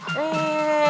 kita harus terbang